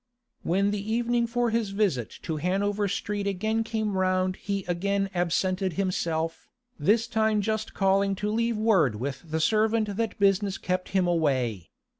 When the evening for his visit to Hanover Street again came round he again absented himself, this time just calling to leave word with the servant that business kept him away.